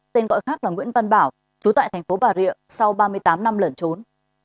tên gọi khác là nguyễn văn bảo trú tại tp bà rịa sau ba mươi tám năm lẩn trốn